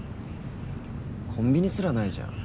コンビニすらないじゃん。